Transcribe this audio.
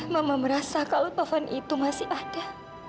mama merasa kalau pohon itu masih ada